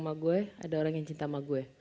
sama gue ada orang yang cinta sama gue